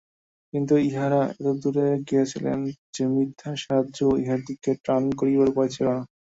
কিন্তু ইঁহারা এত দূরে গিয়াছিলেন যে মিথ্যার সাহায্যেও ইঁহাদিগকে ত্রাণ করিবার উপায় ছিল না।